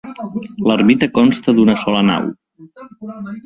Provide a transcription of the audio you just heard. L'ermita consta d'una sola nau.